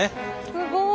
すごい。